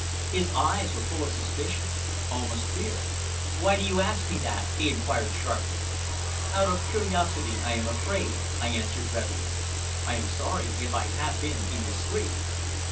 His eyes were full of suspicion, almost fear. "Why do you ask me that?" he inquired sharply. "Out of curiosity, I am afraid," I answered readily. "I am sorry if I have been indiscreet!"